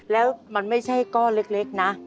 แล้วมันไม่ใช่ก้อนเล็กนะ